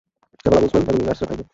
কেবল আবু উসমান এবং এই নার্সরা থাকবে।